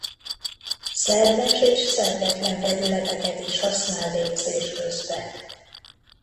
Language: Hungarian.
Szerves és szervetlen vegyületeket is használ légzés közben.